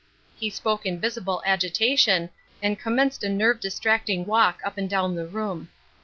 He spoke in visible agitation, and commenced a nerve distracting walk up and down the room.